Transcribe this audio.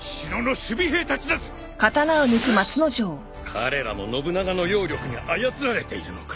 彼らも信長の妖力に操られているのか。